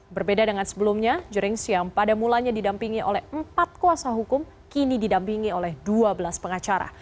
berbeda dengan sebelumnya jerings yang pada mulanya didampingi oleh empat kuasa hukum kini didampingi oleh dua belas pengacara